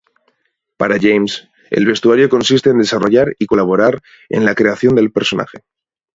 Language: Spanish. Para James, el vestuario consiste en desarrollar y colaborar en la creación del personaje.